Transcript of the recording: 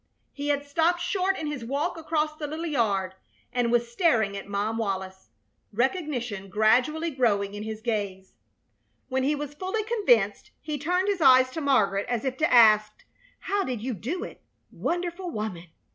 He had stopped short in his walk across the little yard, and was staring at Mom Wallis, recognition gradually growing in his gaze. When he was fully convinced he turned his eyes to Margaret, as if to ask: "How did you do it? Wonderful woman!"